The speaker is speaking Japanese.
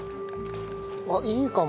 あっいいかも！